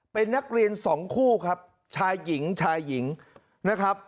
เป็นนักเรียนสองคู่ครับชายหญิงชายหญิงนะครับ